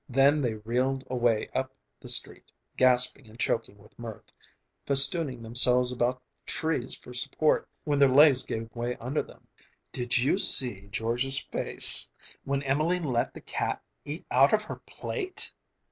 Then they reeled away up the street, gasping and choking with mirth, festooning themselves about trees for support when their legs gave way under them. "Did you see George's face when Emelene let the cat eat out of her plate!"